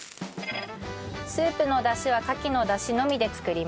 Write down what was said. スープのダシはカキのダシのみで作ります。